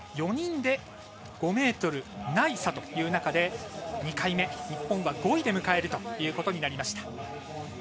４人で５ｍない差という中で２回目、日本は５位で迎えるということになりました。